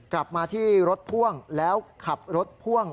กลับมาที่รถพ่วงแล้วขับรถพ่วง